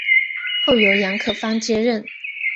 后由杨可芳接任。